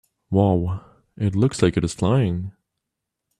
Wow! It looks like it is flying!